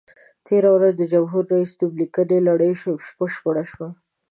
تېره ورځ د جمهوري ریاست نوم لیکنې لړۍ بشپړه شوه.